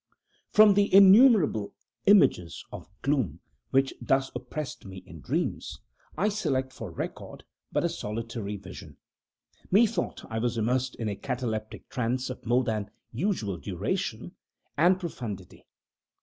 From the innumerable images of gloom which thus oppressed me in dreams, I select for record but a solitary vision. Methought I was immersed in a cataleptic trance of more than usual duration and profundity.